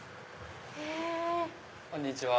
こんにちは。